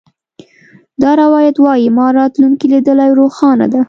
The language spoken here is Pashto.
دا روایت وایي ما راتلونکې لیدلې او روښانه ده